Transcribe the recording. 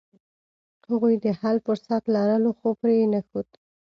هغوی د حل فرصت لرلو، خو پرې یې نښود.